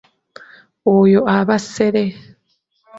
Oyo aba ssere.